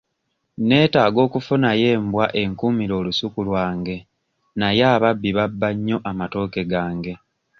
Neetaaga okufunayo embwa enkuumire olusuku lwange naye ababbi babba nnyo amatooke gange.